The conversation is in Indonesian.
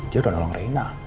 dia udah nolong reina